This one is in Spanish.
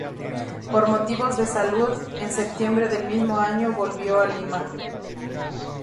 Por motivos de salud, en septiembre del mismo año volvió a Lima.